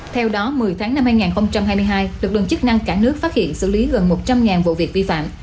theo đó một mươi tháng năm hai nghìn hai mươi hai lực lượng chức năng cả nước phát hiện xử lý gần một trăm linh vụ việc vi phạm